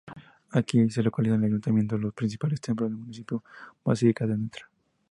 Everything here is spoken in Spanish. Aquí se localizan el ayuntamiento, los principales templos del municipio —Basílica de Ntra.